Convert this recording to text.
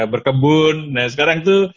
berkebun nah sekarang itu